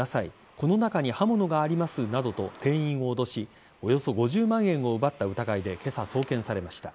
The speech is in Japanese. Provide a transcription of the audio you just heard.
この中に刃物がありますなどと店員を脅しおよそ５０万円を奪った疑いで今朝、送検されました。